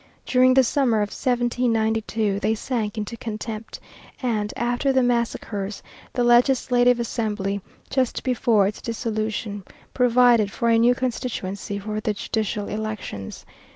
During the summer of 1792 they sank into contempt and, after the massacres, the Legislative Assembly, just before its dissolution, provided for a new constituency for the judicial elections.